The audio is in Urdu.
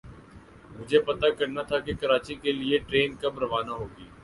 مجھے پتا کرنا تھا کے کراچی کےلیے ٹرین کب روانہ ہو گی۔